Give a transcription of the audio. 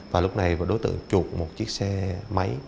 và lúc này đối tượng chuột một chiếc xe máy